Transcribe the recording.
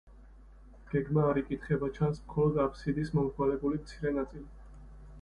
გეგმა არ იკითხება, ჩანს მხოლოდ აბსიდის მომრგვალებული მცირე ნაწილი.